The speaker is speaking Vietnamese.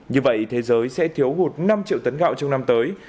như vậy thế giới sẽ thiếu hụt năm triệu tấn gạo trong năm tới